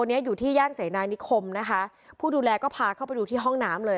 วันนี้อยู่ที่ย่านเสนานิคมนะคะผู้ดูแลก็พาเข้าไปดูที่ห้องน้ำเลย